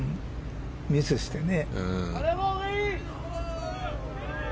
ミスしてね。